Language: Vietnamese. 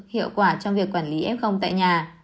hiệu quả trong việc quản lý f tại nhà